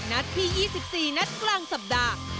นัดที่๒๔นัดกลางสัปดาห์